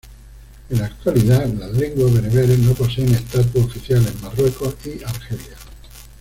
En la actualidad las lenguas bereberes no poseen estatus oficial en Marruecos y Argelia.